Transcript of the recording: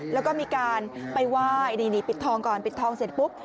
แล้วก็มีการไปไหว้นี่ปิดทองก่อนปิดทองเสร็จปุ๊บ